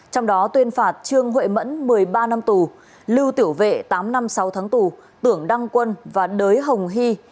trong đó tuyên phạt trương huệ mẫn một mươi ba năm tù lưu tiểu vệ tám năm sáu tháng tù tưởng đăng quân và đới hồng hy